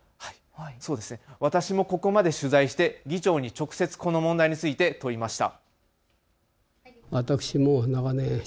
私もここまで取材して議長に直接この問題について問いました。